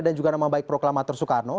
juga nama baik proklamator soekarno